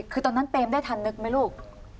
คือตอนนั้นเปมได้ทันนึกไหมลูก